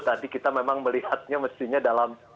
tadi kita memang melihatnya mestinya dalam